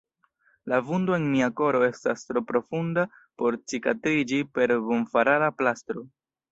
La vundo en mia koro estas tro profunda por cikatriĝi per bonfarada plastro.